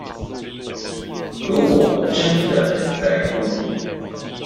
如果真的很在乎